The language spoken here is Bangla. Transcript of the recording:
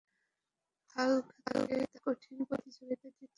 হাল্ক তাকে কঠিন প্রতিযোগিতা দিচ্ছে।